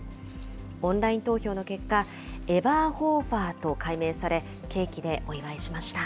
オンライン投票の結果、エバーホーファーと改名され、ケーキでお祝いしました。